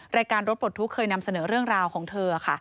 รายการรถปลดทุกข์เคยนำเสนอเรื่องราวของเธอค่ะ